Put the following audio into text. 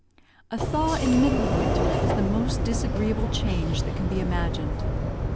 A thaw in the middle of winter is the most disagreeable change that can be imagined.